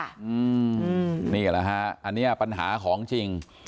อันนี้ปัญหาของจริง